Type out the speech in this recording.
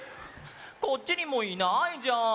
こっちにもいないじゃん！